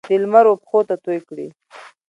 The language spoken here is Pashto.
د لمر وپښوته توی کړي